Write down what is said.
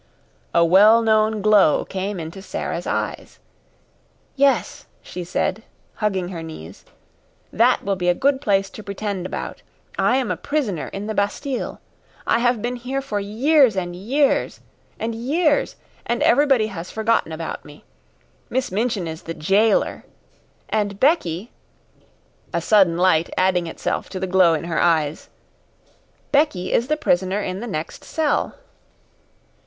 A well known glow came into Sara's eyes. "Yes," she said, hugging her knees, "that will be a good place to pretend about. I am a prisoner in the Bastille. I have been here for years and years and years; and everybody has forgotten about me. Miss Minchin is the jailer and Becky" a sudden light adding itself to the glow in her eyes "Becky is the prisoner in the next cell."